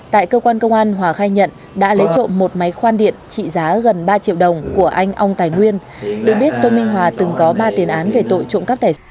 tại cơ quan công an hòa khai nhận đã lấy trộm một máy khoan điện trị giá gần ba triệu đồng của anh ong tài nguyên được biết tô minh hòa từng có ba tiền án về tội trộm cắp tài sản